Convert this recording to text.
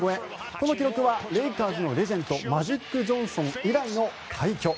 この記録はレイカーズのレジェンドマジック・ジョンソン以来の快挙。